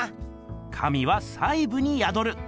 「神は細ぶにやどる」です。